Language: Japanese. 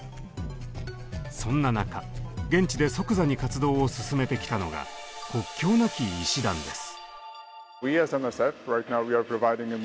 そんな中現地で即座に活動を進めてきたのが国境なき医師団です。